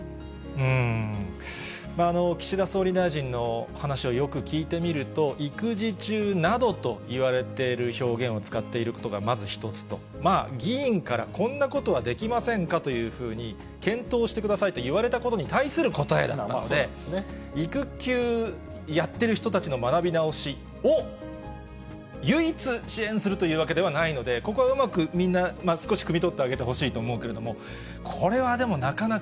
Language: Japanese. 岸田総理大臣の話をよく聞いてみると、育児中などと言われてる表現を使っていることがまず一つと、議員からこんなことはできませんかというふうに検討してくださいと言われたことに対する答えだったので、育休やってる人たちの学び直しを唯一、支援するというわけではないので、ここはうまくみんな、少しくみ取ってあげてほしいと思うけれども、これはでも、なかなか。